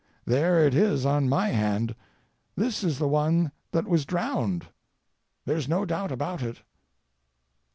There it is on my hand. This is the one that was drowned. There's no doubt about it.